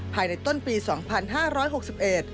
ภายในต้นปีสองพันห้าร้อยหกสิบเอ็ด